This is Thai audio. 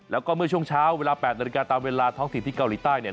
แล้วก็เมื่อช่วงเช้าเวลา๘นาฬิกาตามเวลาท้องถิ่นที่เกาหลีใต้เนี่ย